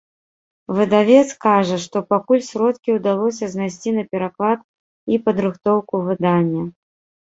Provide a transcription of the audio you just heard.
Выдавец кажа, што пакуль сродкі ўдалося знайсці на пераклад і падрыхтоўку выдання.